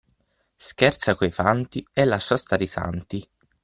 Scherza coi Fanti e lascia stare i Santi.